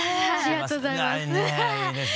ありがとうございます。